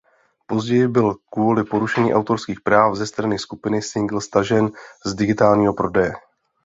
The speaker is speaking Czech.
Později byl kvůli porušení autorských práv ze strany skupiny singl stažen z digitálního prodeje.